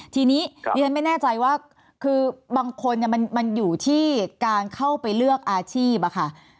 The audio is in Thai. ทีนี้ดิฉันไม่แน่ใจว่าคือบางคนมันอยู่ที่การเข้าไปเลือกอาชีพอะค่ะ